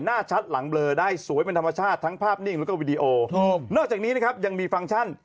นะฮะตรวจขึ้นตรวจลงได้เนี้ยนะครับมีกล้องระดับโปร่านะฮะ